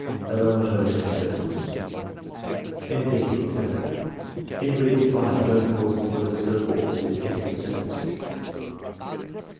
(Allow not over 10 seconds.) {N, B. Examiner, — In reading 5, don't pause at the word CIRCLE as if ending a sentence.)